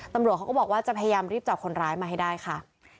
ตำรวจเขาก็บอกว่าจะพยายามรีบจับคนร้ายมาให้ได้ค่ะ